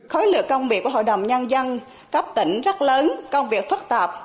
khối lựa công việc của hội đồng nhân dân cấp tỉnh rất lớn công việc phức tạp